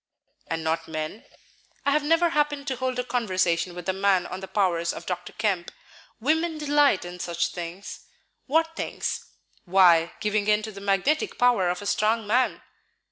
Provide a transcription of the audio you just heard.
"And not men?" "I have never happened to hold a conversation with a man on the powers of Dr. Kemp. Women delight in such things." "What things?" "Why, giving in to the magnetic power of a strong man."